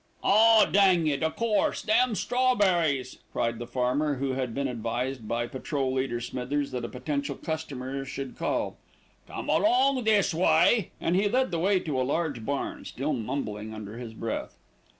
"Ah! dang it, o' course, them strawberries," cried the farmer, who had been advised by Patrol leader Smithers that a potential customer would call. "Come along this way," and he led the way to a large barn, still mumbling under his breath.